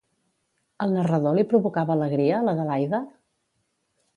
Al narrador li provocava alegria, l'Adelaida?